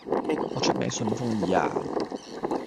我出名順風耳呀